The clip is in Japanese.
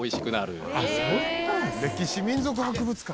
歴史民俗博物館。